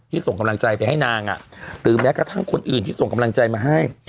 ส่งกำลังใจไปให้นางหรือแม้กระทั่งคนอื่นที่ส่งกำลังใจมาให้